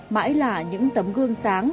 mãi là những tấm gương sáng